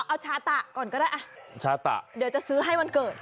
เอาชาตะก่อนก็ได้อ่ะชาตะเดี๋ยวจะซื้อให้วันเกิด